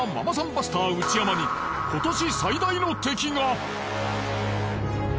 バスター内山に今年最大の敵が。